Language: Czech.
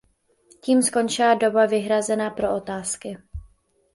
Tím skončila doba vyhrazená pro otázky.